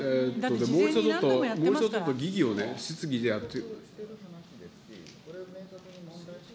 もうちょっと疑義をね、質疑でやって。